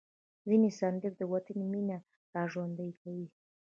ځینې سندرې د وطن مینه راژوندۍ کوي.